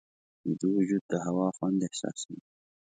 ویده وجود د هوا خوند احساسوي